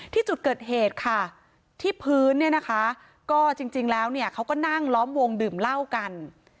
ที่จุดเกิดเหตุค่ะที่พื้นเนี่ยนะคะก็จริงแล้วเนี่ยเขาก็นั่งล้อมวงดื่มเหล้ากัน